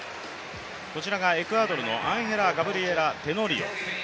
こちらがエクアドルのアンヘラガブリエラ・テノリオ。